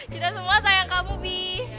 kita semua sayang kamu bi